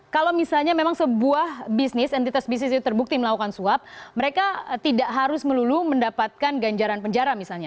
kalau misalnya memang sebuah bisnis entitas bisnis itu terbukti melakukan suap mereka tidak harus melulu mendapatkan ganjaran penjara misalnya